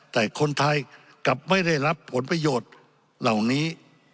แต่คนไทยกลับไม่ได้รับผลประโยชน์เหล่านี้